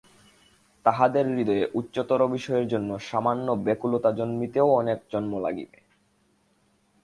তাহাদের হৃদয়ে উচ্চতর বিষয়ের জন্য সামান্য ব্যাকুলতা জন্মিতেও অনেক জন্ম লাগিবে।